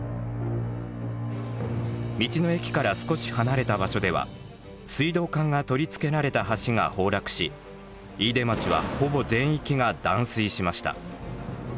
道の駅から少し離れた場所では水道管が取り付けられた橋が崩落し飯豊町はほぼ全域が断水しました。